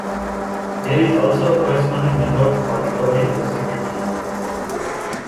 There is also a corresponding method for recovering the secret key.